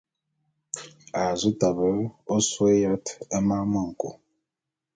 A zu tabe ôsôé yat e mane me nku.